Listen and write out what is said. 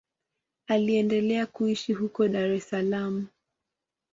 Anaendelea kuishi huko Dar es Salaam.